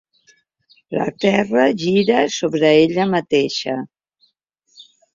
La Terra gira sobre ella mateixa.